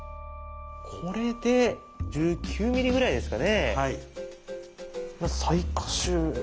これで１９ｍｍぐらいですかね。